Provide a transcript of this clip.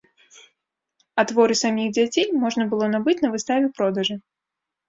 А творы саміх дзяцей можна было набыць на выставе-продажы.